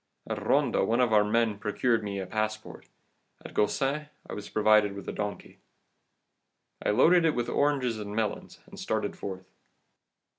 At Ronda one of our men procured me a passport; at Gaucin I was provided with a donkey. I loaded it with oranges and melons, and started forth.